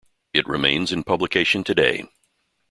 It remains in publication today.